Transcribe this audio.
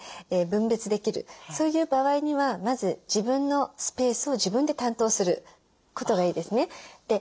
分別できるそういう場合にはまず自分のスペースを自分で担当することがいいですね。